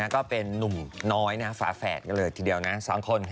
ก็เป็นนุ่มน้อยฝาแฝดกันเลยทีเดียวนะ๒คน